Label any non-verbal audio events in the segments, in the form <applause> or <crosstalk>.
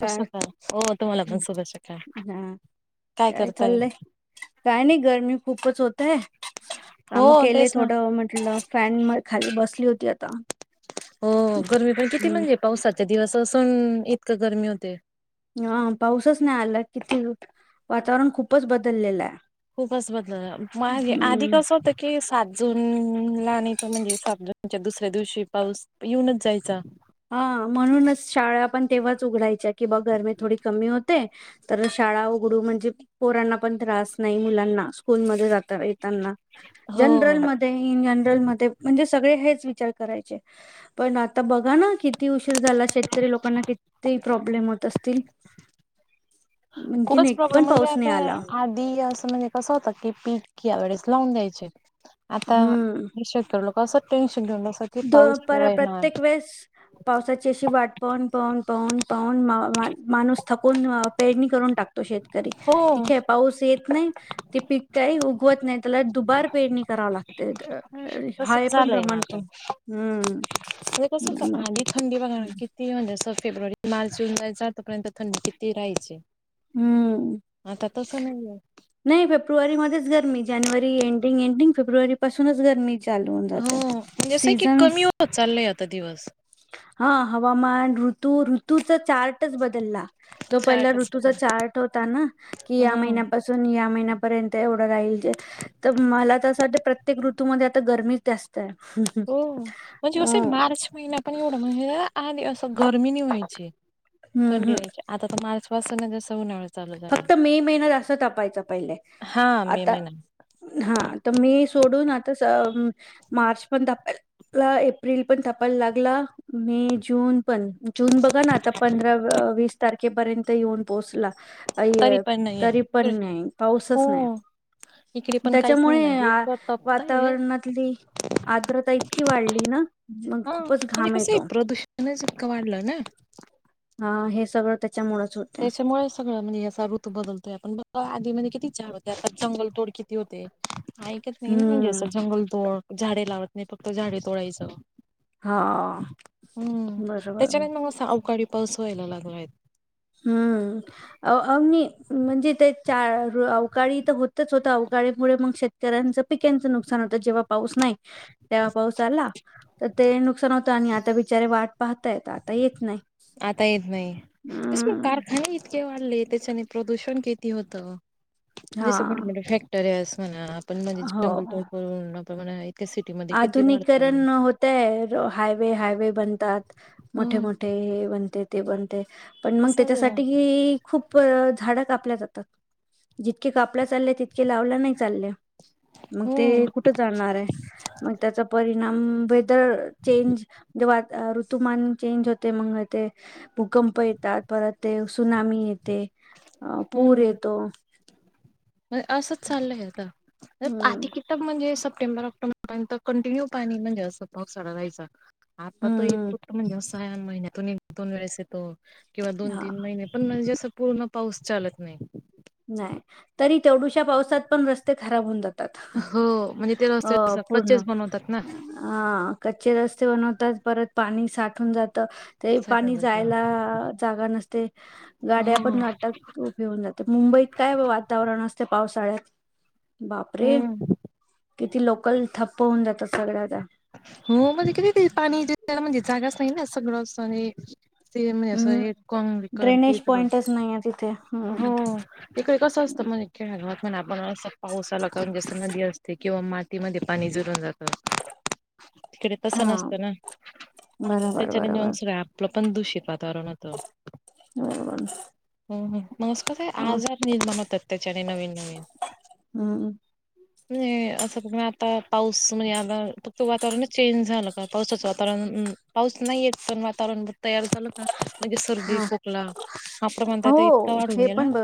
काय, सकाळ हो तुम्हाला पण शुभ सकाळ ना, काय चाललंय? काय नाही गरमी खूपच हो <unintelligible> हो काम केले तेच ना थोडं, म्हटलं फॅन म खाली बस आली होती आता. हो गरमी पण किती हम्म म्हणजे पावसात दिवस असून इतक गरमी होतय. हा पाऊसच नाही आला किती? वातावरण खूपच बदललेलं आहे. खूपच बदल. माघे आधी हम्म कसं होतं की सात जून ला आणि तर म्हणजे सात जूनच्या दुसऱ्या दिवशी पाऊस येऊनच जायचा. हा म्हणूनच शाळा पण तेव्हाच उघडायच्या. की बा गरमी थोडी कमी होत. होते, तर शाळा उघडू म्हणजे पोरांना पण त्रास नाही, मुलांना स्कूलमध्ये जाता येता त्यांना, हो. जनरल मध्ये इन जनरल मध्ये म्हणजेच सगळे हेच विचार करायचे. पण आता बघा ना. कीती उशीर झाला. शेतकरी लोकांना कीती प्रॉब्लेम होत असतील. आणखीन खूपच एक प्रॉब्लेम पण म्हणजे. पाऊस नाही आला आता आधी अस. म्हणजे कसं होतं की? पिक या वेळेस लावून द्यायचे. आता ही शेतकरी लोक कसं टेंशन प प्रत्येक वेळेस पावसाची अशी वाट पाहून पाहून पाहून पाहून म माणूस थकून पेरणी करून टाकतो तरी.. हो ठीके पाऊस येत नाही. ते पीक काही उगवत नाही त्याला दुबार पेरणी कराव लागते हा हे तसच पण झालंय ना प्रमाण कर आता. हम्म म्हणजे कसं होतं आधी थंडी बघा किती म्हणजे अस फेब्रुवारी मार्च जुन नाही चालू होत तोपर्यंत थंडी किती राहायची हम्म आता तसं नाहीये. नाही फेब्रुवारी मध्येच गरमी जानेवारी एंडिंग एंडिंग फेब्रुवारी पासूनच गर्मी हो म्हणजे अस य की कमी होत चाललंय आता दिवस हा हवामान ऋतू ऋतु तो चार्टस बदलला जो पहिला ऋतू साठच होता. तुझा चार्ट होता ना की या हो महिन्यापासून या महिन्या पर्यंत एवढं राहिल तर मला तर असं वाटतं प्रत्येक ऋतूमध्ये आता गर्मीच जास्त आहे हो म्हणजे अ कसं मार्च महिना पण एवढा म्हणजे आत अस गरमी नी व्हायची हम्म थंडी हम्म व्हायची आता तर मार्च <unintelligible> चालू झालाय. फक्त मे महिना जास्त तपायचा पहिले हा मे आता महिना हा तर मे सोडून आता मार्च पण तापायला एप्रिल पन तपायला लागला बघा ना आता पंधरा व पीस तारखेपर्यंत येऊन पोहोचला. तरी अय पण तरी पण नाहीये नाही हो पाऊसच नाही इकडे पण काहीच नाही त्याच्यामुळे म्हणजे इतकं तपतय वातावरणातली आर्द्रता इतकी वाढली ना म हा खूपच म्हणजे घाम कसं आहे येतो प्रदूषणच इतकं वाढलं ना. हा हे सगळं त्या त्याच्यामुळे सगळं म्हणजे याचा ऋतू बदलतोय आपण हा आत मधी किती झाड होते आता जंगल तोडकी ती होते ऐकत नाही ना म्हणजे हम्म असं जंगल तोड झाडे लावत नाही फक्त झाडे तोडायची हा हम्म बरोबर त्याच्याने मग अवकाळी पाऊस व्हायला लागलाय हम्म अ अमी म्हणजे ते चार अवकाळी तर होतच होत अवकाळीमुळे मग शेतकऱ्यांचं पिक्यांचं नुकसान होतं जेव्हा पाऊस नाही तेव्हा पाऊस आला तर ते नुक नुकसान होतं आणि आता बिचारे वाट पाहतायत आता येत नाही. आता येत नाही. तस पण हम्म कारखाने इतके वाढले, त्याच्याने प्रदूषण किती होतं. जसं हा. मोठे-मोठे फॅक्टरीयास. पुण्यात. पण म्हणजे हो जंगल तोड फोडुन. <unintelligible> आधुनिकरण होतय हायवे-हायवे बनतात. हम्म मोठे-मोठे बणते. इथे पण. पण मग तसच आहे ना त्याच्यासाठी खूप झाडं काप. कापल्या जातात, जितके कापल्या चालल्या तितके लावले नाय चालल्या. मग हो ते कुठं जाणार हाय. त्याचा परिणाम वेदर चेंज जेव्हा ऋतुमान चेंज होते, मग ते भूकंप येतात, परत ते सुनामी येते. ते पुर हो येतो. असंच चाललंय आता हम्म आधी किताब म्हणजे अस. सप्टेबर-ऑक्टोबर पर्यंत कंटिन्यू पाणी म्हणजे असं पाऊसाळा राहायचा. आता तो हम्म हम्म येतो म्हणल्यावर सहा महिन्या दोन वेळेस येतो. किंवा हा दोन-तीन महिने पण मनजे अस. पूर्ण पाऊस चालत नाही. नाय तरी. तेवढुश्या पावसात पण रस्ते खराब होऊन जातात. हो म्हणजे ते अ रस्ते असं पूर्ण कच्चेच बनवतात ना. हा कच्चे रस्ते बनवतात, परत पाणी साठून जात. त ते साठून पाणी जात हो जायला अ जागा नसते गाड्या पण अटक उभे होऊन जातात. मुंबईत काय वातावरण असते पावसाळ्यात. बापरे. हम्म किती लोकल थप्प होऊन जातं सगळ्यात. हो <unintelligible> पाणी जे त्याला म्हणजे जागाच नाही ना सगळंच आणि. ते म्हणजे <unintelligible> असं हम्म हे कॉंग विक ते ड्रेनेज सगळं पॉइंटच नाहीये तिथे हम्म हो इकडे कसं असतं म्हणे खेळावर <unintelligible> पावसाला कारण <unintelligible> जस नदी असते किंवा मातीमध्ये पाणी जुरून जातं. तिकडे तसं हा नसतं ना बरोबर त्याच्याने नेऊन बरोबर सगळं आपल. पण दूषित <unintelligible> तर मात्र बरोबर हम्म हम्म म असं काय <unintelligible> अ आज त्याच्याने नवीन नवीन हम्म म्हणजे अस कुठं आता पाऊस म्हणजे आता वातावरण चेंज झालं का, पावसाचं वातावरण अ पाऊस नाही येत पण वातावरण तयार झालं का. म्हणजे सर्दी ह खोकला, हा प्रमाण त आता इतका हो वाढून हे गेला. पण ब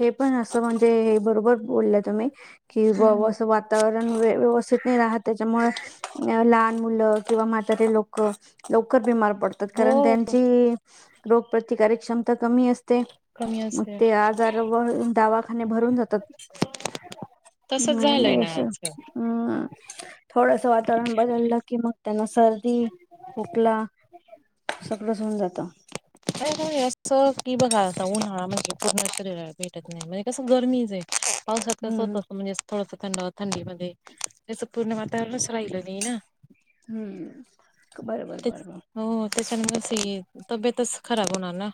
हे पण असं म्हणजे हे बरोबर बोल्या तुम्ही. कि हम्म. बवा असं वातावरण व्य व्यवस्थित नाही राहत त्याच्यामुळ अ लहान. मुलं किंवा म्हातारे लोक लवकर बीमार. पडतात कारण हो त्यांची. प्रतिकारक क्षमता कमी असते. ते कमी मग असते ते आजार व दावाखाने भरून जातात तसच नाय झालंय नाय ना अस आजकाल हंम. थोडंसं वातावरण बदललं की मग. त्यांना सर्दी खोकला, सगळंच होऊन जात. <unintelligible> असं की, बघा आता उन्हाळा म्हणजे पूर्ण शरीराला भेटत नाही म्हणजे कसं गर्मीच आहे. पाऊसात कस होत. हम्म अस म्हणजे थोडस. थंडावा थंडी मध्ये तसं पूर्ण वातावरणच राहिलं नाही ना. हम्म बरोबर तेच बरोबर हो त्याच्याने पण सई ये तब्येतच. खराब होणार ना.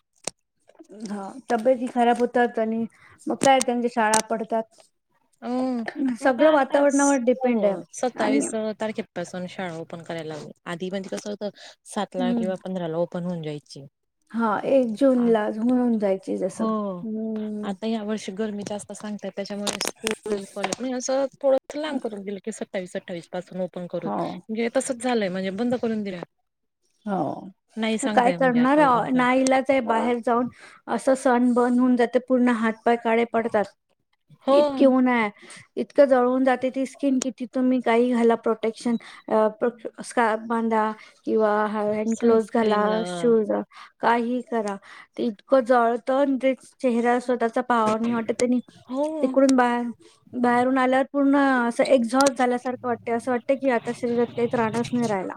हा तब्येती खराब होतात. आणि मग काय त्यांच्या शाळा पडतात. अ मग सगळं आता वातावरणावर डिपेंड आहे होय आणि सत्तावीस अ तारखे पाासून शाळा ओपन कर करायला लागल आधी म्हणजे कसं होत. सातला हम्म किंवा पंधराला ओप बनवून जायची हा एक जून आ- ला होऊन जायची जसं हो हम्म आता या वर्षी गरमी जास्त सांगताय त्याच्यामुळ <unintelligible> आणि एस थोडंस लांब करून गेल की स सत्तावीस अठ्ठावीस पासून ओ पण करू हो म्हणजे हे तसंच झालंय म्हणजे बंद करून दिला हो म काय अ करणार आता ओपन कर नाईलाज आहे बाहेर जाऊन अस सण बन होऊन जाते पूर्ण हात पाय काळे पडतात. हो ईतके ऊन ये. इतकं जळवून जाते ती स्किन की किती तुम्ही काही घाला प्रोटेक्शन अ प्रो स्कार्फ बांधा किंवा अ हॅन्ड ग्लोज घाला सनस्क्रीम लावा शूज काही करा ते इतकं जळतं ते चेहरा स्वतःचा पाहावा नाई वाटत हो ते कोणं बाया बाहेरून आल्यावर पूर्ण असं एक्झॉस्ट झाल्यासारखं वाटतंय असं वाटतंय की आता शरीरात काही त्राणच नाही राहिला.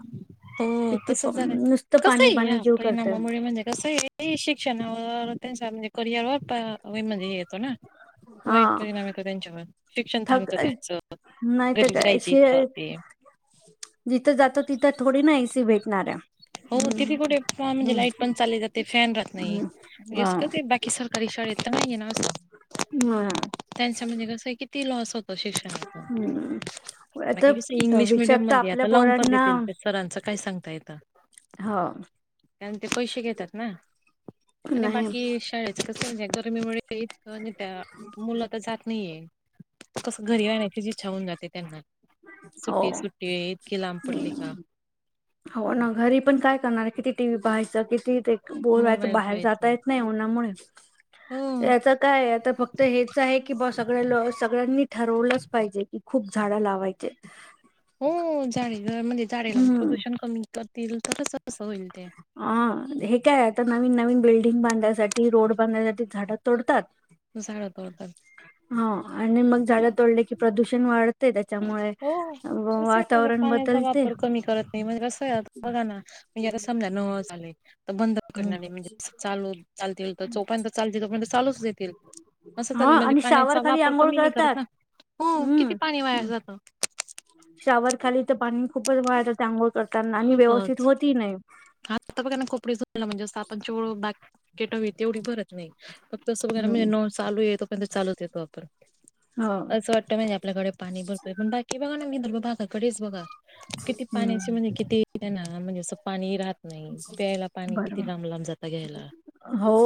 हो किती तस प- नुसतं कस पाणी पाणी या जीव करतय परिणामुळे म्हणजे कसं य शिक्षणा त्यांचा म्ह पर्यावा पा अवय मध्ये येतो ना हा वाईट परिणाम येतो त्यांच्यावर शिक्षण थक थांबतं त्यांचं नाही तर घरीच काय राहायची शये इच्छा होते जिथं जातो तिथं थोडी न ए सी सी भेटणारये. हो तिथे कुठे फॅन म्हणजे लाईट पण चालली जाते फॅन राहत नाही हम्म म्हणजे हा अस कस बाकी सरकारी शाळेत तर नाहीये ना अस हम्म त्यांच्या म्हणजे कसं आहे की कीती लॉस होत शिक्षणाचा हम्म. आता बाकी कस इंग्लिश भविष्यात मिडियम तर मध्ये आपल्या आता लावून पण पोरांना देतील ते सरांच काय सांगता येतं हो त्यान ते पैशे घेतात ना आणि नाही बाकी शाळेच कस सध्या गर्मीमुळे ते इचक नं त्या मुल त जात नाहीये. कसं घरी राहण्याचीच इच्छा होउन जाते त्यांना हो सुट्टी सुट्टी इतकी लांब पडली का हो ना घरी पण काय करणार किती टी, व्ही, पाहायचं किती ते. बोलवायचं मोबाईल बाहेर जाता पाहायचा येत नाही उन्हामुळे. हो. याचा काय आता फक्त हेच आहे की बाऊ सगळ्या लो सगळ्यांनी ठरवलंच पाहिजे कि खूप झाडं लावायचे. हम्म. चालेल. म्हणजे झाडे लाऊन हम्म प्रदूषण कमी. करतील का तस. हा हे काय आता नवीन-नवीन बिल्डिं बिल्डिंग बांधण्यासाठी, रोड बांधण्यासाठी झाडं तोडतात. खूप झाड तोडतात. हो आणि मग झाड तोडले की प्रदूषण वाढत. हो तसे आहे म्हणजे वातावरण पाण्याचा बदलते वापर कमी करत नाही म्हणजे कस आहे बघा ना, म्हणजे समजा झाले. तर बंद करणारी म्हणजे चालू चालतील तर जोपर्यंत चालतय तोपर्यंत चालूच दे. असं हा चालं म्हणजे आणि शावर पाण्याचा खाली वापर आंघोळ कमी नाही करत ना, हो किती पाणी वाया. जातं शॉवर खाली तर. पाणी खूपच वाया जातं, आंघोळ करताना आणि व्यवस्थित होत ही नाही. हा आता बघा ना कोपडे धुवायला म्हणजे अस आपण तेवढं बकेट तेवढी भरत नाही. तस बघा म्हणजे हम्म नळ चालू ये, तो पर्यंत चालु दे वापर, हो असं वाटतं म्हणजे आपल्याकडे पाणी भरपर पण बाकी बघा नळ पा काय कडेच बघा. किती पाण्याची हम्म म्हणजे किती. ना म्हणजे असं पाणी. राहत नाही प्यायला पाणी किती बरोबर, लांब लांब जाता घ्यायला हो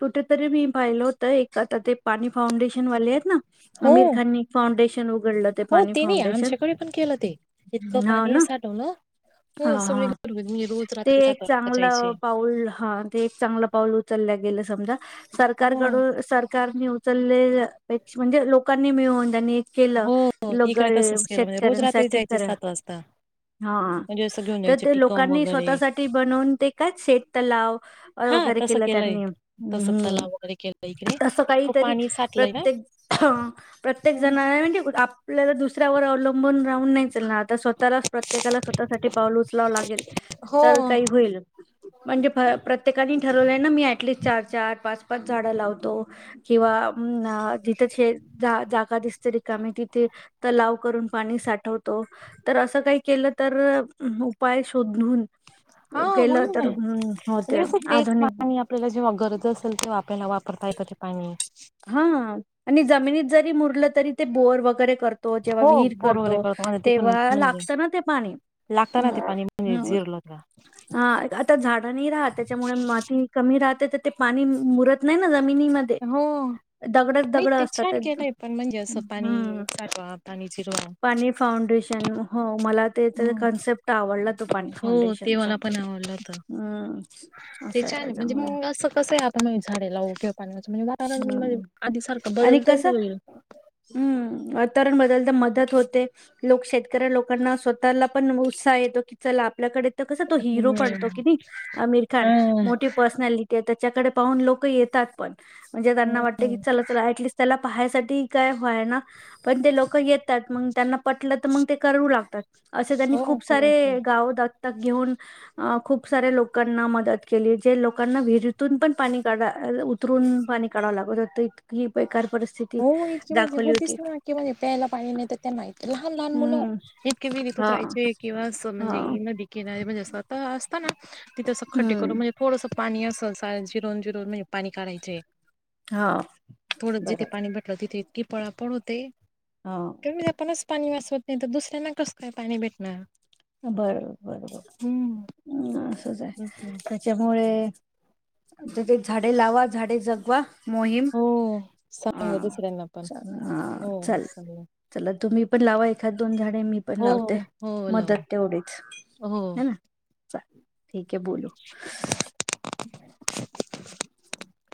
कुठेतरी मी. पाहिल होत एक आता ते पाणी फाउंडेशन वाले आहेत ना. हो आमिर खाननी फाउंडेशन उघडलं ते हो पाणी तेनी फाउंडेशन आमच्याकडे पण केलं ते, इतकं हा पाणी ना साठवलं, हा हो हा सगळे <unintelligible> मी रोज रा ते एक चांगलं पाऊल हां ते एक चांगलं पाऊल उचललंय. गेलं समजा हो सरकारकडू सरकारनी उ <unintelligible> म्हणजे लोकांनी मिळून त्यांनी केलं हो इकडे लगर तसंच केलं म्हणजे रोज रात्री शेतकऱ्यांसाठी जायचे करा सात वाजता हां म्हणजे असं घेऊन तर जायचे ते टिकम लोकांनी वगैरे स्वतःसाठी <unintelligible> ते काय शेततलाव अ हा वैगेरे तसं केलं केलंय त्यांनी तसं हम्म तलाव वगैरे केलं इकडे असं इतकं काहीतरी पाणी साठलंय ना प्रत्येक हम्म. प्रत्येकजणा <unintelligible> आपल्याला दुसऱ्यावर अवलंबून राहून नाही चालणार, आता स्वतःलाच प्रत्येकाला स्वतःसाठी पाऊल उचलावं लागेल. हो तर काही होईल म्हणजे फ प्रत्येकांनी ठरवले ना मी ॲटलिस्ट चार-चार, पाच पाच झाडं लावतो किंवा अम्म आ जिथं शे जा जागा दिसते रिकामी तिथे तलाव करून पाणी साठवतो तर असं काही केलं तर उपाय शोधून हां होईल केलं ना तर हम्म होते म्हणजे कसं तेच आधुनिक पाणी आपल्याला जेव्हा गरज असेल तेव्हा आपल्याला वाप रता येतं ते पाणी. हा आणि जमिनीत <unintelligible> तरी ते बोर वगैरे करतो जेव्हा हो विहीर बोर वगैरे करतो माझ तिथून तेव्हा म्हणजे लागतं ना ते पाणी लागतं ना अम्म ते पाणी म्हणजे अम्म जिरलं का. हां आता झाडं नाही राहत त्याच्यामुळे माती कमी राह त त ते पाणी मुरत नाही ना ज मिनीमध्ये हो दगडच नाही दगड ते असतात. छान केलंय पण म्हणजे असं पाणी हम्. साठवा पाणी जिरवा. पाणी फाउंडेशन, हो, मला ते हम्म. कॉन्सेप्ट आवडला तो पाणी हो ते फाउंडेशनचा मला पण आवडलं होतं. हम्. ते छान म्हणजे मंग असं कसं आहे आपण झाडे लावू किंवा पाणी वाचवू म्हणजे. कार म्हणजे हम्म आधी सारखं आणि बदल तरी होईल. तरण बदल तर मदत होते, लोक शेतकऱ्या लोकांना स्वतःला पण उत्साह येतो, की चला आपल्याकडे. कस तो हिरो पडतो हम्म. की अमिर खान हा मोठी पर्सनॅलिटी. त्याच्याकडे पाहून लोक येतात पण. म्हणजे त्यांना वाटतं की चला-चला ऍटलीस्ट त्याला. पाहासाठी काय हाय ना पण ते लोक येतात मग त्यांना. पटलं तर मग ते करू लागतात, असे त्यांनी हो खूप सारे कळत. गाव दा ते घेऊन खूप सऱ्या लोकांना मदत केली जे लोकांना विहिरीतून पण पाणी काढ उतरून पाणी. काडाव लागत होत इतकी बेकार. परिस्थिती हो इतकी म्हणजे दाखवली होती. होतीस ना की म्हणजे प्यायला पाणी नाही तर त्यांना लहान-लहान मुलं हम्म इतके मी विहिरीत हा उरायचे किंवा अस म्हन हा जे नदी कीनारी म्हणजे अस असत ना. तिथसं खड्डे करून हम्म म्हणजे थोडसं. पाणी अस स जिरून-जिरून म्हणजे पाणी काढयचे. हा बसं ते पाणी बटलते ते की पळापळ होते. हा कमी आपणच पाणी वाचवत नाही, तर दुसऱ्यांना कसं काय पाणी भेटणार. बरो बरोबर हम्म असचं आहे हम्म. त्याच्यामुळे आता ते झाडे लावा झाडे जगवा. मोहीम हो अ सांग दुसऱ्यांना पण चला हो चल सांग चला तुम्ही, पण लावा एकाद दोन झाडे मी पण हो लावते हो लाव मदत तेवढीच हो ह ना. अच्छा. ठीक आहे बोलो.